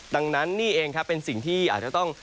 ดังนั้นนี่เองครับเป็นสิ่งที่อาจจะต้อง